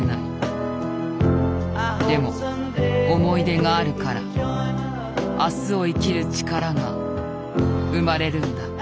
でも思い出があるから明日を生きる力が生まれるんだ。